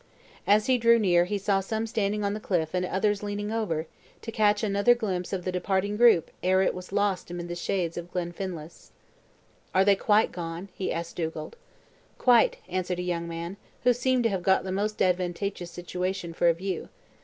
As he drew near he saw some standing on the cliff and others leaning over, to catch another glance of the departing group ere it was lost amid the shades of Glenfinlass. "Are they quite gone?" asked Dugald. "Quite," answered a young man, who seemed to have got the most advantageous situation for a view.